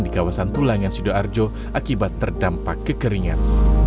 di kawasan tulangan sidoarjo akibat terdampak kekeringan